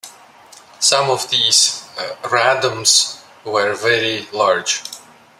Some of these radomes were very large.